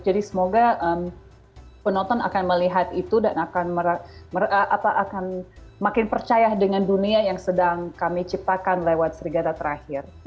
jadi semoga penonton akan melihat itu dan akan makin percaya dengan dunia yang sedang kami ciptakan lewat serigala terakhir